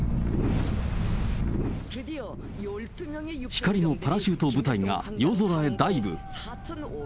光のパラシュート部隊が夜空へダイブ。